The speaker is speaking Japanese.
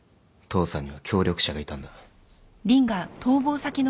父さんには協力者がいたんだ。